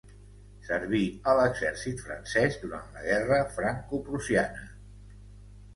Serví a l'exèrcit francès durant la guerra francoprussiana.